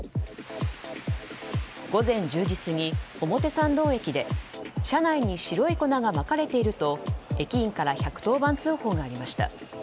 午前１０時過ぎ、表参道駅で車内に白い粉がまかれていると駅員から１１０番通報がありました。